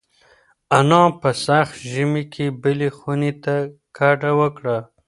انا په سخت ژمي کې بلې خونې ته کډه وکړه.